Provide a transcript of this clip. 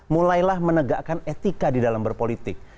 mulailah menegakkan etika di dalam berpolitik